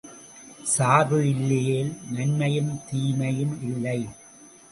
சார்பு இல்லையேல் நன்மையும் தீமையும் இல்லை.